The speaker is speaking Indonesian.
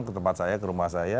ke tempat saya ke rumah saya